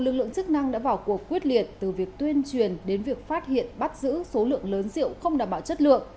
lực lượng chức năng đã vào cuộc quyết liệt từ việc tuyên truyền đến việc phát hiện bắt giữ số lượng lớn rượu không đảm bảo chất lượng